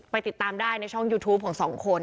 ติดตามได้ในช่องยูทูปของสองคน